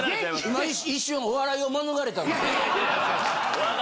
今一瞬お笑いを免れた。